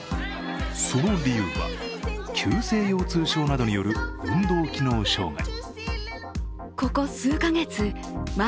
その理由は、急性腰痛症などによる運動機能障害。